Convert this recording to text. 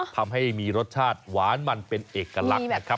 ทำให้มีรสชาติหวานมันเป็นเอกลักษณ์นะครับ